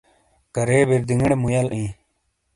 کرے بِردینگیڑے مُویل اِیں۔